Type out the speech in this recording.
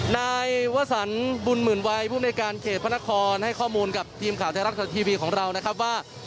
นายวสันบุญหมื่นวัยภูมิในการเขตพระนครให้ข้อมูลกับทีมข่าวไทยรัฐทีวีของเรานะครับว่า